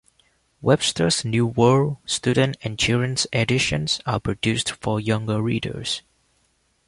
"Webster's New World" student and children's editions are produced for younger readers.